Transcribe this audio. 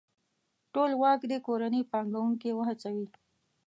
ټولواک دې کورني پانګوونکي وهڅوي.